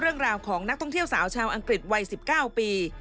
เว็บไทยสถานการณ์ของนักท่องเที่ยวสาวชาวอังกฤษวัย๑๙ปี